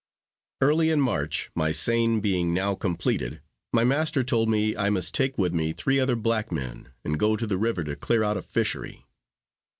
Early in March, my seine being now completed, my master told me I must take with me three other black men, and go to the river to clear out a fishery.